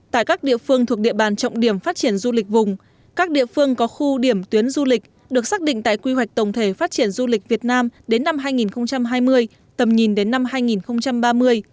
tại các địa phương thuộc địa bàn trọng điểm phát triển du lịch vùng các địa phương có khu điểm tuyến du lịch được xác định tại quy hoạch tổng thể phát triển du lịch việt nam đến năm hai nghìn hai mươi tầm nhìn đến năm hai nghìn ba mươi